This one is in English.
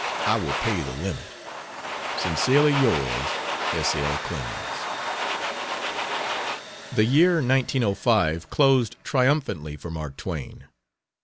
I will pay the limit. Sincerely yours, S. L. CLEMENS. The year 1905 closed triumphantly for Mark Twain.